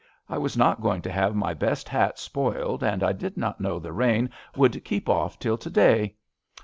I was not going to have my best hat spoiled, and I did not know the rain would keep off till to day.